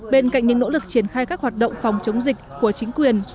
bên cạnh những nỗ lực triển khai các hoạt động phòng chống dịch của chính quyền